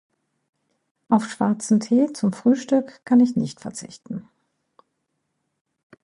Auf schwarzen Tee zum Frühstück kann ich nicht verzichten.